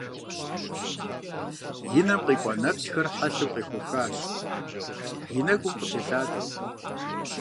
И нэм къекӏуа нэпсхэр, хьэлъэу къехуэхащ, и нэкӏум къытелъадэу.